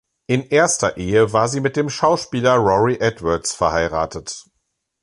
In erster Ehe war sie mit dem Schauspieler Rory Edwards verheiratet.